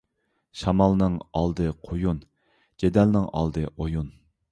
شامالنىڭ ئالدى قۇيۇن، جېدەلنىڭ ئالدى ئويۇن.